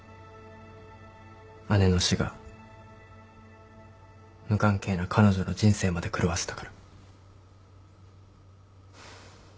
姉の死が無関係な彼女の人生まで狂わせたから。